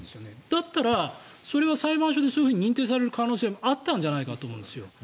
だったらそれは裁判所でそう認定される可能性もあったんじゃないかと思うんですよ。